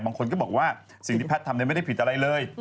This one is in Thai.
บางคนก็บอกว่าสิ่งที่แพทย์ทำไม่ได้ผิดอะไรเลย